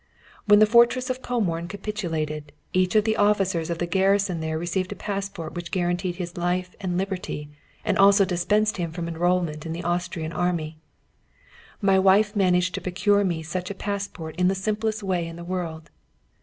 When the fortress of Comorn capitulated, each of the officers of the garrison there received a passport which guaranteed his life and liberty, and also dispensed him from enrolment in the Austrian army. My wife managed to procure me such a passport in the simplest way in the world.